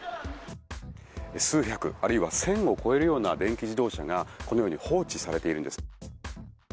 数百あるいは１０００を超えるような電気自動車がこのように放置されているんです。